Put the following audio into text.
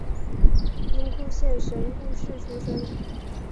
兵库县神户市出身。